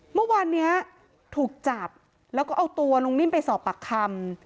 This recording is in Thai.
เมื่อวานนี้ถูกจับแล้วก็เอาตัวลุงนิ่มไปสอบปากคำ